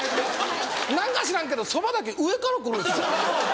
何か知らんけどそばだけ上から来るんですよ。